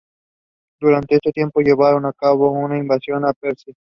Durante este tiempo llevaron a cabo una invasión de Persia.